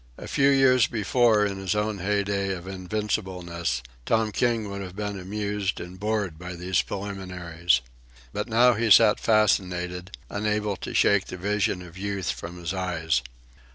A few years before, in his own heyday of invincibleness, Tom King would have been amused and bored by these preliminaries. But now he sat fascinated, unable to shake the vision of Youth from his eyes.